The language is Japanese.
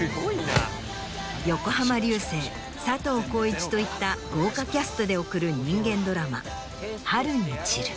横浜流星佐藤浩市といった豪華キャストで送る人間ドラマ。